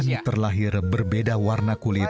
yang terlahir berbeda warna kulit